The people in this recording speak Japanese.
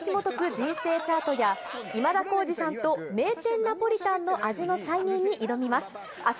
人生チャートや、今田耕司さんと名店ナポリタンの味の再現に挑みます。